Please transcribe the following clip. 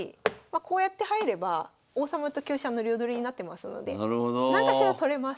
こうやって入れば王様と香車の両取りになってますのでなんかしら取れます。